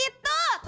ikan seperti siapa